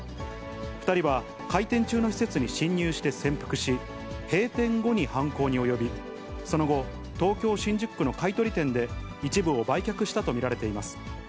２人は開店中の施設に侵入して潜伏し、閉店後に犯行に及び、その後、東京・新宿区の買い取り店で一部を売却したと見られています。